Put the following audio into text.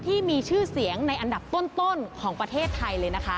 ที่มีชื่อเสียงในอันดับต้นของประเทศไทยเลยนะคะ